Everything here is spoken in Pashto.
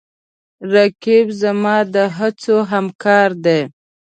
رقیب زما د هڅو همکار دی